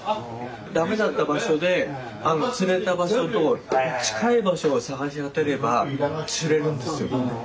駄目だった場所で釣れた場所と近い場所を探し当てれば釣れるんですよ。